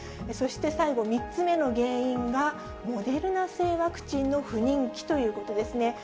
そして最後、３つ目の原因が、モデルナ製ワクチンの不人気ということですね。